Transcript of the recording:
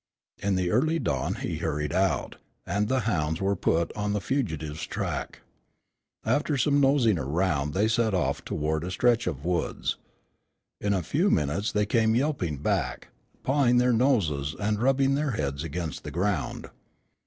In the early dawn he hurried out, and the hounds were put on the fugitive's track. After some nosing around they set off toward a stretch of woods. In a few minutes they came yelping back, pawing their noses and rubbing their heads against the ground.